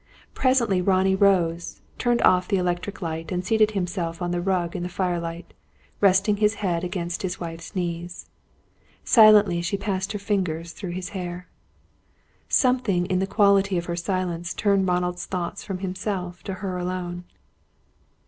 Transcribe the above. Presently Ronnie rose, turned off the electric light, and seated himself on the rug in the firelight, resting his head against his wife's knees. Silently she passed her fingers through his hair. Something in the quality of her silence turned Ronald's thoughts from himself to her alone.